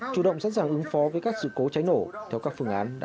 chủ động sẵn sàng ứng phó với các sự cố cháy nổ theo các phương án đã được đề ra